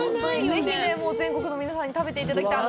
ぜひ全国の皆さんに食べていただきたい。